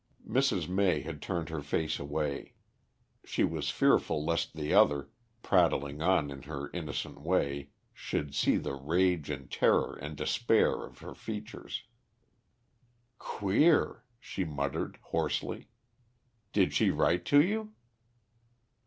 Mrs. May had turned her face away. She was fearful lest the other, prattling on in her innocent way, should see the rage and terror and despair of her features. "Queer!" she murmured hoarsely. "Did she write to you?"